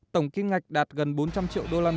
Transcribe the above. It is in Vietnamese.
tổng kim ngạch đạt gần bốn trăm linh triệu usd